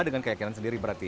dengan keyakinan sendiri berarti